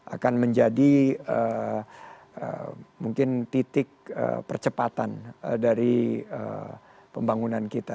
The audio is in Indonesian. akan menjadi mungkin titik percepatan dari pembangunan kita